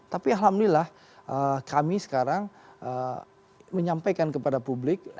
tapi alhamdulillah kami sekarang menyampaikan kepada publik